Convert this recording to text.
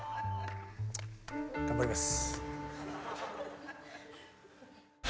頑張ります。